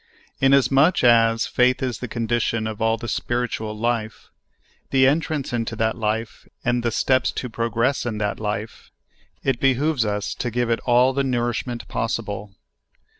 INASMUCH as faith is the condition of all the spiri* ual life, of the entrance into that life, and the steps to progress in that life, it behooves us to give it all the nourishment possible.